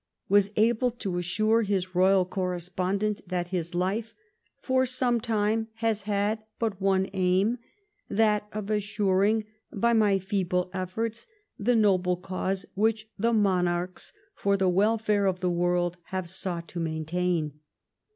was able to assure his Royal correspondent that his life, " for some time, has bad but one aim — that of assuring, by my feeble efforts, the noble cause which the raonarchs, for the welfare of the world, have sought to maintain."